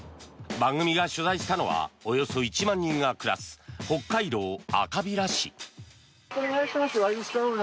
番組が取材したのはおよそ１万人が暮らす北海道赤平市。